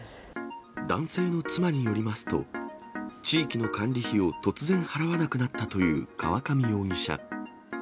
男性の妻によりますと、地域の管理費を突然払わなくなったという河上容疑者。